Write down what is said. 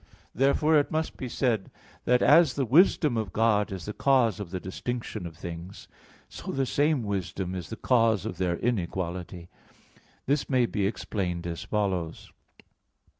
Therefore it must be said that as the wisdom of God is the cause of the distinction of things, so the same wisdom is the cause of their inequality. This may be explained as follows.